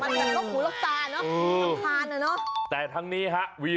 เป็นไงเป็นโหงตมเลยดิ